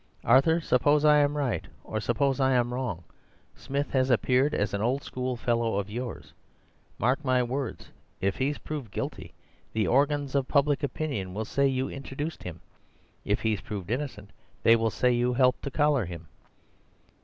Arthur, suppose I am right, or suppose I am wrong. Smith has appeared as an old schoolfellow of yours. Mark my words, if he's proved guilty, the Organs of Public Opinion will say you introduced him. If he's proved innocent, they will say you helped to collar him.